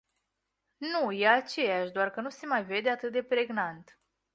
Nu, e aceeași, doar că nu se mai vede atât de pregnant.